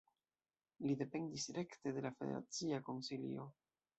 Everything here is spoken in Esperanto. Li dependis rekte de la federacia Konsilio.